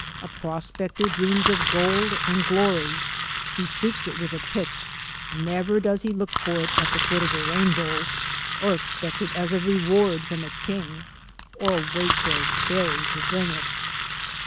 A prospector dreams of gold and glory. He seeks it with a pick; never does he look for it at the foot of the rainbow, or expect it as a reward from a king, or wait for a fairy to bring it.